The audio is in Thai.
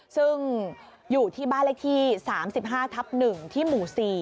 ซึ่งอยู่ที่บ้านเลขที่๓๕ทับ๑ที่หมู่๔